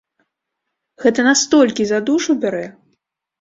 Гэта настолькі за душу бярэ!